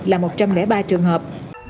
là một trăm linh ba trường hợp